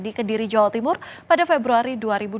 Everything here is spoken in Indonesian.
di kediri jawa timur pada februari